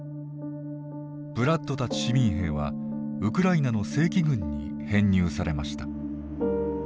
ブラッドたち市民兵はウクライナの正規軍に編入されました。